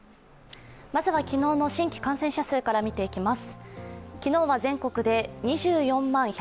まずは昨日の新規感染者数から見ていきます。